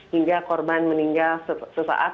hingga korban meninggal sesaat